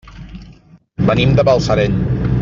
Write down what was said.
Venim de Balsareny.